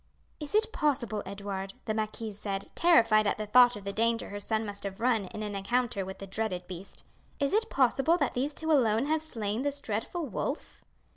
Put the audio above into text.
"Is it possible, Edward," the marquise said, terrified at the thought of the danger her son must have run in an encounter with the dreaded beast, "is it possible that these two alone have slain this dreadful wolf?"